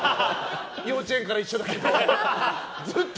幼稚園から一緒だったけど。